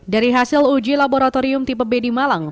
dari hasil uji laboratorium tipe b di malang